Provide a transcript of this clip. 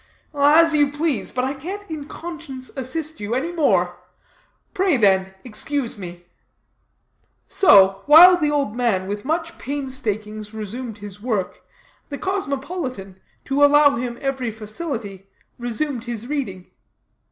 "As you please, but I can't in conscience assist you any more; pray, then, excuse me." So, while the old man with much painstakings resumed his work, the cosmopolitan, to allow him every facility, resumed his reading.